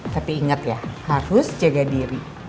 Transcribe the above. tapi ingat ya harus jaga diri